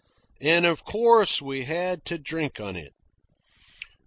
And of course we had to drink on it.